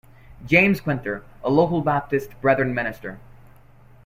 James Quinter, a local Baptist Brethren minister.